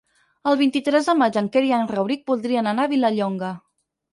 El vint-i-tres de maig en Quer i en Rauric voldrien anar a Vilallonga.